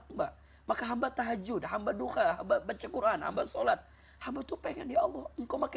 mbak maka hamba tahajud hamba duka baca quran hamba sholat haba tupeng ya allah engkau makin